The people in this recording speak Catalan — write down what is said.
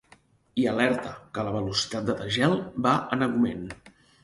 I alerta que la velocitat de desgel va en augment.